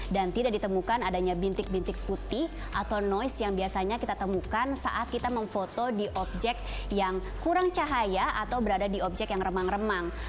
dan tidak ditemukan adanya bintik bintik putih atau noise yang biasanya kita temukan saat kita memfoto di objek yang kurang cahaya atau berada di objek yang remang remang